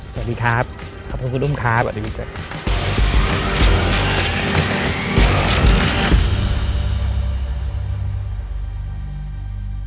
สวัสดีครับขอบคุณคุณอุ้มครับสวัสดีคุณแจ๊ค